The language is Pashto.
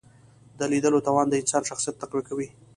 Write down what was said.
د لیدلو توان د انسان شخصیت تقویه کوي